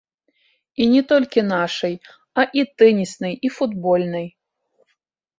І не толькі нашай, а і тэніснай, і футбольнай.